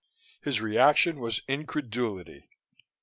His reaction was incredulity.